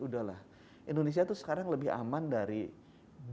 udah lah indonesia itu sekarang lebih aman dari banyak orang